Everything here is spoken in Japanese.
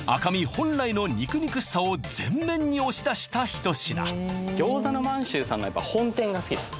本来の肉肉しさを全面に押し出した一品ぎょうざの満州さんやっぱ本店が好きです